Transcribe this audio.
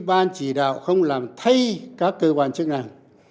ban chỉ đạo không làm thay các cơ quan chức năng